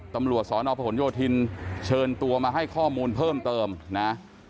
ตำรวจสอนอพหนโยธินเชิญตัวมาให้ข้อมูลเพิ่มเติมนะ